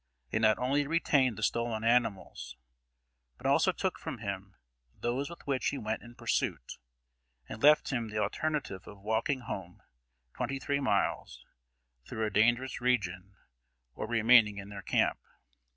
They not only retained the stolen animals, but also took from him those with which he went in pursuit, and left him the alternative of walking home, twenty three miles, through a dangerous region, or remaining in their camp.